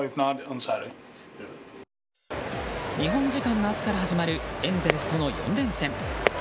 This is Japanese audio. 日本時間の明日から始まるエンゼルスとの４連戦。